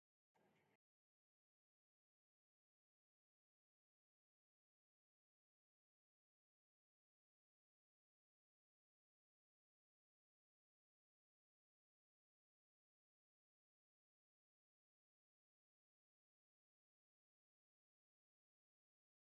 It fell the following year.